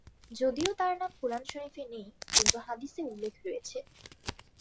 যদিও তার নাম কুরআন শরীফে নেই, কিন্তু হাদিসে উল্লেখ রয়েছে।